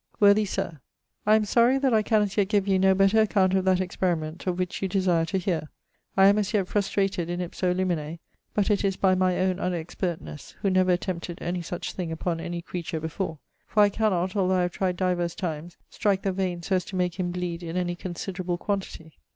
'Worthy Sir, 'I am sorrie that I can as yet give you no better account of that experiment of which you desire to heare. I am as yet frustrated in ipso limine (but it is by my owne unexpertnes, who never attempted any such thing upon any creature before); for I cannot, although I have tried divers times, strike the veine so as to make him bleed in any considerable quantity.